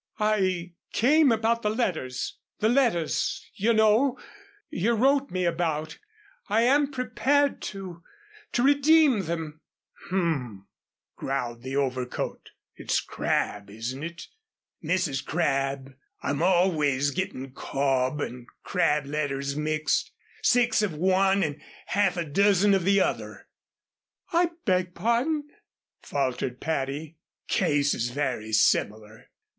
"I came about the letters the letters, you know, you wrote me about. I am prepared to to redeem them." "H m," growled the overcoat. "It's Crabb, isn't it? Mrs. Crabb? I'm always getting the Cobb and Crabb letters mixed six of one and half a dozen of the other " "I beg pardon," faltered Patty. "Cases very similar.